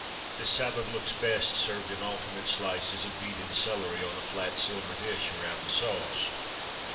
This salad looks best served in alternate slices of beet and celery, on a flat silver dish, around the sauce.